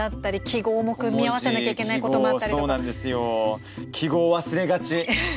記号忘れがち。